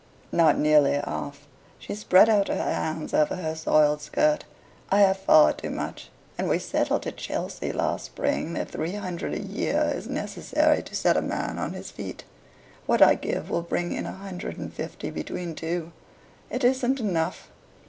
"Not nearly half." She spread out her hands over her soiled skirt. "I have far too much, and we settled at Chelsea last spring that three hundred a year is necessary to set a man on his feet. What I give will bring in a hundred and fifty between two. It isn't enough."